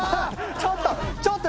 ちょっと！